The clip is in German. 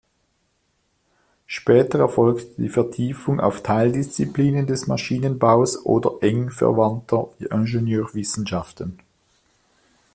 Später erfolgt die Vertiefung auf Teildisziplinen des Maschinenbaus oder eng verwandter Ingenieurwissenschaften.